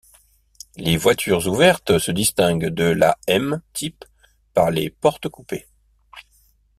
Les voitures ouvertes se distinguent de la M type par les portes coupées.